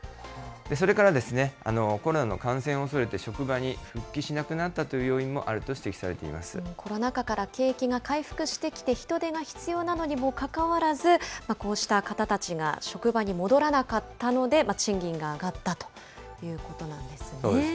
それから、コロナの感染を恐れて、職場に復帰しなくなったという要コロナ禍から景気が回復してきて、人手が必要なのにもかかわらず、こうした方たちが職場に戻らなかったので、賃金が上がったということなんですね。